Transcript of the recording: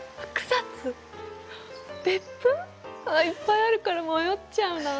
いっぱいあるから迷っちゃうな。